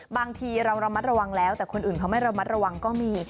บางทีเราระมัดระวังแล้วแต่คนอื่นเขาไม่ระมัดระวังก็มี